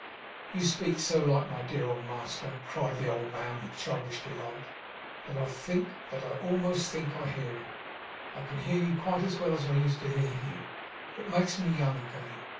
'You speak so like my dear old master,' cried the old man with a childish delight, 'that I almost think I hear him. I can hear you quite as well as I used to hear him. It makes me young again.